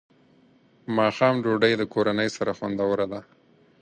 ماښام ډوډۍ د کورنۍ سره خوندوره ده.